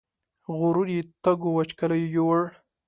غرور یې تږو وچکالیو یووړ